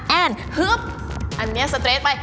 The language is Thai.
อันนี้สเตรสไป